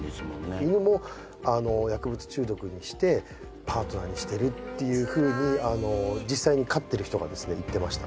犬も薬物中毒にしてパートナーにしてるっていうふうにあの実際に飼ってる人がですね言ってました